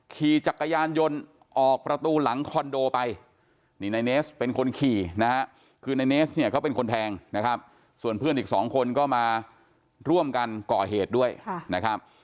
ขี่จักรยานยนต์ออกประตูหลังคอนโดไปนี่นายเนสเป็นคนขี่นะฮะคือในเนสเนี่ยเขาเป็นคนแทงนะครับส่วนเพื่อนอีกสองคนก็มาร่วมกันก่อเหตุด้วยนะครับ